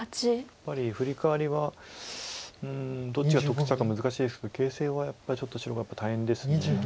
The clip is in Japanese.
やっぱりフリカワリはどっちが得したか難しいですけど形勢はやっぱりちょっと白が大変です。